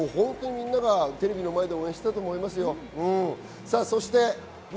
みんながテレビの前で応援していたと思います。